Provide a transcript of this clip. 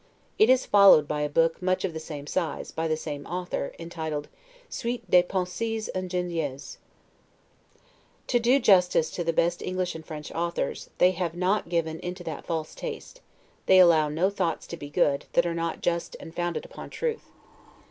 It is followed by a book much of the same size, by the same author, entitled, 'Suite des Pensees ingenieuses'. To do justice to the best English and French authors, they have not given into that false taste; they allow no thoughts to be good, that are not just and founded upon truth.